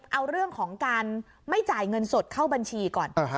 เอาเรื่องของการไม่จ่ายเงินสดเข้าบัญชีก่อน